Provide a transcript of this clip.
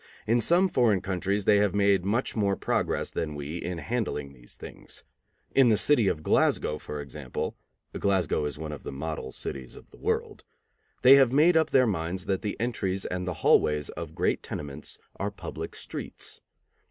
In some foreign countries they have made much more progress than we in handling these things. In the city of Glasgow, for example (Glasgow is one of the model cities of the world), they have made up their minds that the entries and the hallways of great tenements are public streets.